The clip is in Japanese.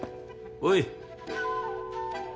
おい！